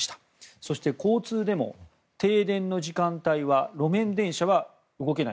そして、交通でも停電の時間帯は路面電車は動けない。